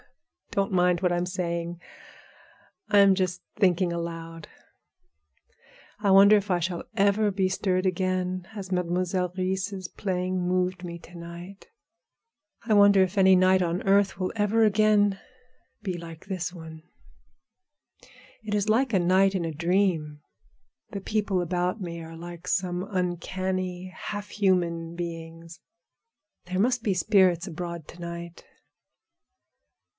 Don't mind what I'm saying; I am just thinking aloud. I wonder if I shall ever be stirred again as Mademoiselle Reisz's playing moved me to night. I wonder if any night on earth will ever again be like this one. It is like a night in a dream. The people about me are like some uncanny, half human beings. There must be spirits abroad to night."